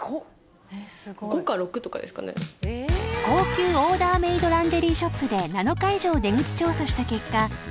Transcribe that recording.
［高級オーダーメードランジェリーショップで７日以上出口調査した結果］